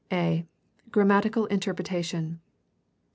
a) Grammatical interpretation.